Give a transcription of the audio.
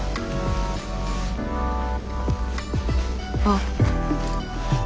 あっ。